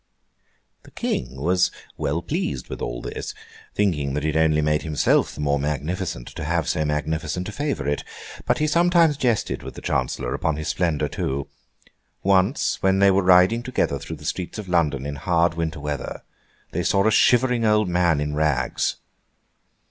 The King was well pleased with all this, thinking that it only made himself the more magnificent to have so magnificent a favourite; but he sometimes jested with the Chancellor upon his splendour too. Once, when they were riding together through the streets of London in hard winter weather, they saw a shivering old man in rags.